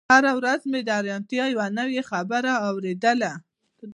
هره ورځ مې د حيرانتيا يوه نوې خبره اورېدله.